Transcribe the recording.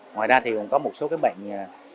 ngoài ra thì còn có một số bệnh